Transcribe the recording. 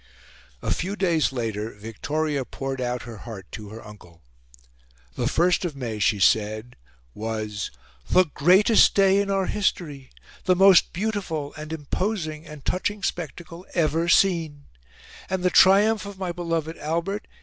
A few days later Victoria poured out her heart to her uncle. The first of May, she said, was "the GREATEST day in our history, the most BEAUTIFUL and IMPOSING and TOUCHING spectacle ever seen, and the triumph of my beloved Albert...